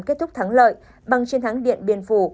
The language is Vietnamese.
kết thúc thắng lợi bằng chiến thắng điện biên phủ